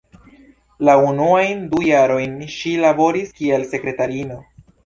La unuajn du jarojn ŝi laboris kiel sekretariino.